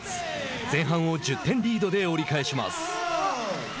前半を１０点リードで折り返します。